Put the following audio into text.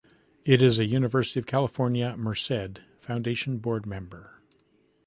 He is a University of California, Merced foundation board member.